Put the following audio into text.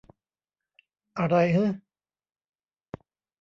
อะไรฮึ